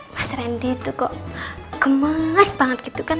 mas randy itu kok gemes banget gitu kan